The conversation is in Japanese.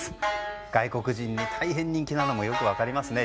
外国人に大変人気なのもよく分かりますね。